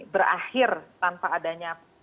berakhir tanpa adanya